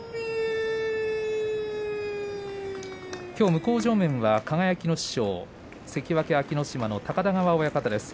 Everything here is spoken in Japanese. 向正面は輝の師匠の関脇安芸乃島の高田川親方です。